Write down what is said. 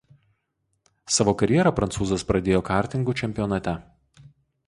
Savo karjerą prancūzas pradėjo kartingų čempionate.